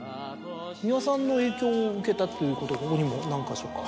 美輪さんの影響を受けたということをここにも何か所か。